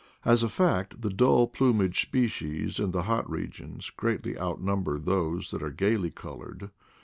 As a fact the dull plumaged species in the hot regions greatly outnumber those that are gaily colored.